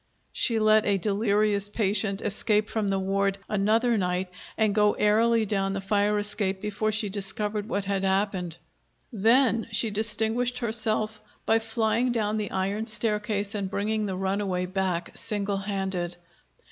She let a delirious patient escape from the ward another night and go airily down the fire escape before she discovered what had happened! Then she distinguished herself by flying down the iron staircase and bringing the runaway back single handed.